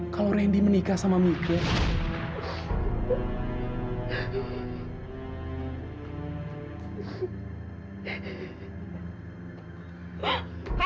kalau randy menikah sama mikir